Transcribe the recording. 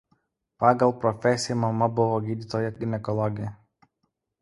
Pagal profesiją mama buvo gydytoja ginekologė.